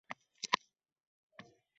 Oyoqlari uchiga tikiddi.